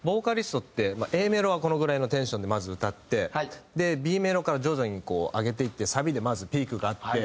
まあＡメロはこのぐらいのテンションでまず歌ってＢメロから徐々にこう上げていってサビでまずピークがあって。